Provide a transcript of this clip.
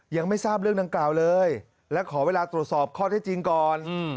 ยังไม่ทราบเรื่องดังกล่าวเลยและขอเวลาตรวจสอบข้อได้จริงก่อน